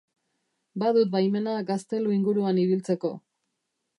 Badut baimena gaztelu inguruan ibiltzeko.